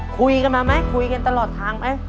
คุยกันมาไหมคุยกันตลอดทางไหม